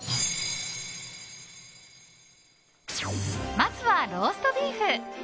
まずは、ローストビーフ。